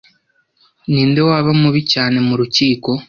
ninde waba mubi cyane murukiko